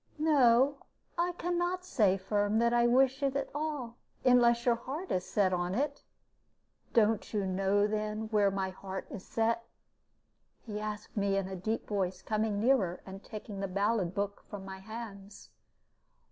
"No, I can not say, Firm, that I wish it at all; unless your heart is set on it " "Don't you know, then, where my heart is set?" he asked me, in a deep voice, coming nearer, and taking the ballad book from my hands.